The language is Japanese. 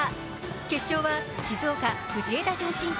決勝は静岡・藤枝順心対